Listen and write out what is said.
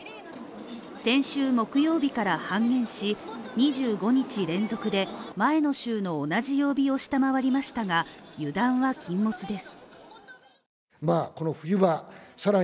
先週木曜日から半減し、２５日連続で前の週の同じ曜日を下回りましたが油断は禁物です。